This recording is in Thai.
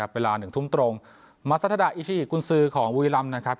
เวลาหนึ่งทุ่มตรงมัสสะดาอิชิอิกคุณซือของวีรัมนะครับ